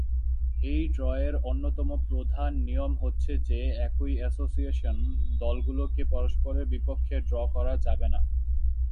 এই ড্রয়ের অন্যতম প্রধান নিয়ম হচ্ছে যে, একই এসোসিয়েশনের দলগুলোকে পরস্পরের বিপক্ষে ড্র করা যাবে না।